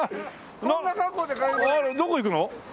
どこ行くの？